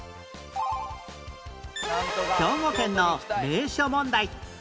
兵庫県の名所問題